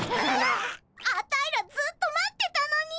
アタイらずっと待ってたのに！